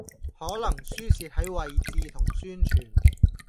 可能輸蝕喺位置同宣傳